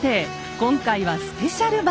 今回はスペシャル版！